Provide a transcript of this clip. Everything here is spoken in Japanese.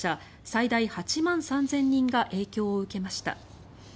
最大８万３０００人が影響を受けました。